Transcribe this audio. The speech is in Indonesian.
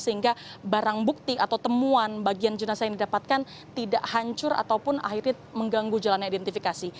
sehingga barang bukti atau temuan bagian jenazah yang didapatkan tidak hancur ataupun akhirnya mengganggu jalannya identifikasi